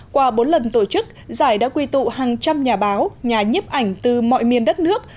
qua bốn lần tổ chức giải đã quy tụ hàng trăm nhà báo nhà nhếp ảnh từ mọi miền đất nước